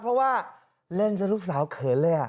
เพราะว่าเล่นซะลูกสาวเขินเลย